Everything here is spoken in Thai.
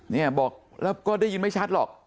แล้วก็ได้ยินไม่ชัดหรอก